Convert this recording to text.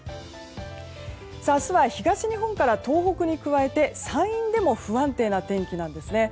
明日は東日本から東北に加えて山陰でも不安定な天気なんですね。